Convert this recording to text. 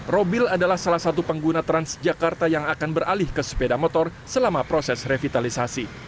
robil adalah salah satu pengguna transjakarta yang akan beralih ke sepeda motor selama proses revitalisasi